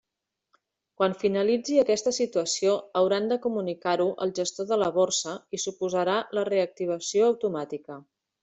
Quan finalitzi aquesta situació hauran de comunicar-ho al gestor de la borsa i suposarà la reactivació automàtica.